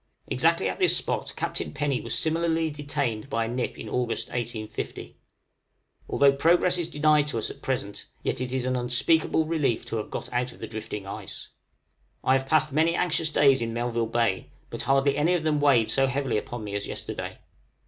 Exactly at this spot Captain Penny was similarly detained by a nip in August, 1850. Although progress is denied to us at present, yet it is an unspeakable relief to have got out of the drifting ice. {ARCTIC PERPLEXITIES.} I have passed very many anxious days in Melville Bay, but hardly any of them weighed so heavily upon me as yesterday.